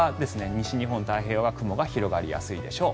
西日本太平洋側は雲が広がりやすいでしょう。